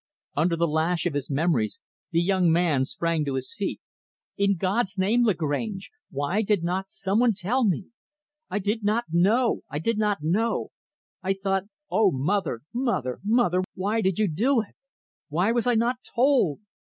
Under the lash of his memories, the young man sprang to his feet. "In God's name, Lagrange, why did not some one tell me? I did not know I did not know I thought O mother, mother, mother why did you do it? Why was I not told?